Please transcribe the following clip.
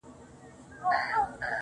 اوس چي سهار دى گراني.